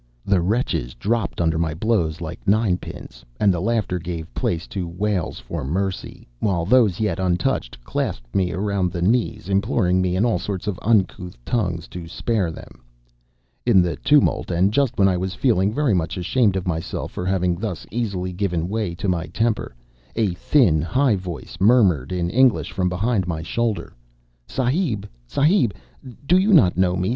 The wretches dropped under my blows like nine pins, and the laughter gave place to wails for mercy; while those yet untouched clasped me round the knees, imploring me in all sorts of uncouth tongues to spare them. In the tumult, and just when I was feeling very much ashamed of myself for having thus easily given way to my temper, a thin, high voice murmured in English from behind my shoulder: "Sahib! Sahib! Do you not know me?